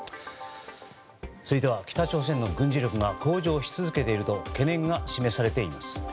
続いては北朝鮮の軍事力が向上し続けていると懸念が示されています。